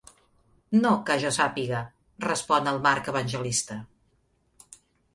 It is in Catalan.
No, que jo sàpiga —respon el Marc Evangelista.